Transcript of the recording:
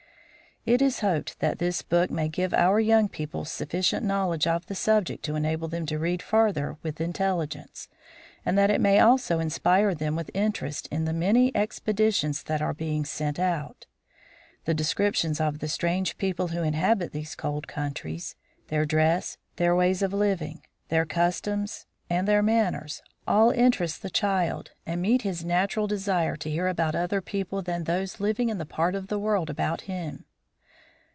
It is hoped that this book may give our young people sufficient knowledge of the subject to enable them to read farther with intelligence, and that it may also inspire them with interest in the many expeditions that are being sent out. The descriptions of the strange people who inhabit these cold countries, their dress, their ways of living, their customs, and their manners, all interest the child, iv PREFACE and meet his .natural desire to hear about other people than those living in the part of the world about him.